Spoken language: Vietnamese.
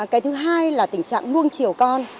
cái thứ hai là tình trạng nuông chiều con